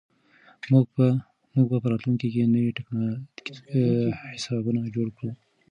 موږ به په راتلونکي کې نوي حسابونه جوړ کړو.